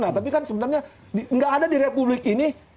nah tapi kan sebenarnya nggak ada di republik ini